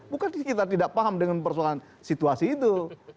bukan kita tidak paham dengan persoalan situasi itu